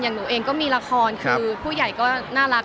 หนูเองก็มีละครคือผู้ใหญ่ก็น่ารัก